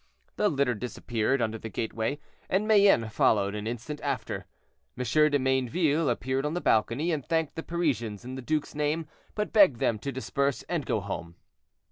The litter disappeared under the gateway, and Mayenne followed; an instant after, M. de Mayneville appeared on the balcony, and thanked the Parisians in the duke's name, but begged them to disperse and go home.